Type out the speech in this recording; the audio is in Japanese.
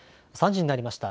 ３時になりました。